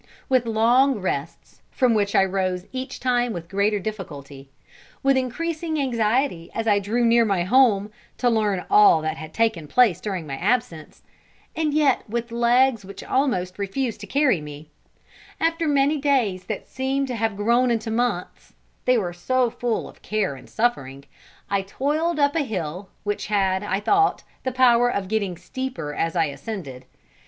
With long rests, from which I rose each time with greater difficulty, with increasing anxiety as I drew near my home, to learn all that had taken place during my absence, and yet with legs which almost refused to carry me; after many days that seemed to have grown into months, they were so full of care and suffering, I toiled up a hill, which had, I thought, the power of getting steeper as I ascended.